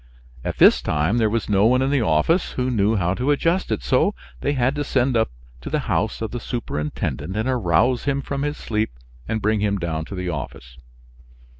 At this time there was no one in the office who knew how to adjust it, so they had to send up to the house of the superintendent and arouse him from his sleep and bring him down to the office.